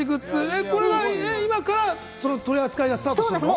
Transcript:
これが今から取り扱いがスタートするの？